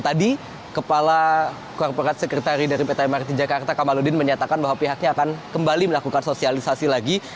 tadi kepala korporat sekretari dari pt mrt jakarta kamaludin menyatakan bahwa pihaknya akan kembali melakukan sosialisasi lagi